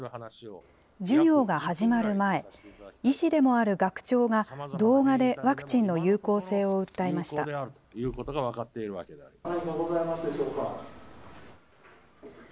授業が始まる前、医師でもある学長が、動画でワクチンの有効性を訴えました。